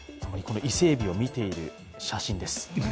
伊勢えびを見ている写真です。